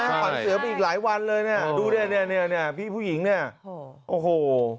ขวัญเสียไปอีกหลายวันเลยนี่ดูนี่พี่ผู้หญิงนี่โอ้โฮ